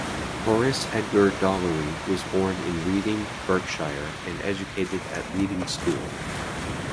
Horace Edgar Dollery was born in Reading, Berkshire, and educated at Reading School.